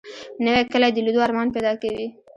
نوې کلی د لیدو ارمان پیدا کوي